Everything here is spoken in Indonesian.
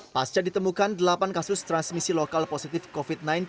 pasca ditemukan delapan kasus transmisi lokal positif covid sembilan belas